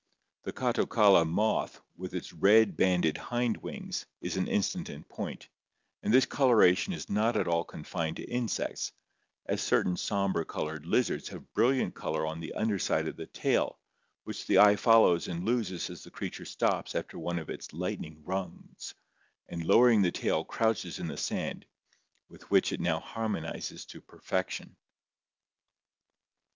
The Catocala moth, with red banded hind wings, is an instance in point, and this coloration is not at all confined to insects, as certain somber colored lizards have brilliant color on the under side of the tail, which the eye follows and loses as the creature stops after one of its lightning runs and lowering the tail crouches in the sand, with which it now harmonizes to per fection.